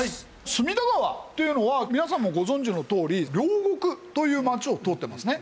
隅田川というのは皆さんもご存じのとおり両国という町を通ってますね。